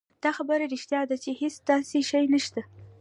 دا خبره رښتيا ده چې هېڅ داسې شی نشته